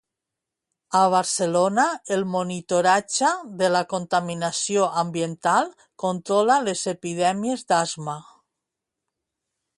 A Barcelona, el monitoratge de la contaminació ambiental controla les epidèmies d'asma.